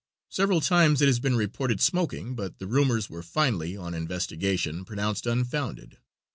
Several times it has been reported smoking, but the rumors were finally, on investigation, pronounced unfounded.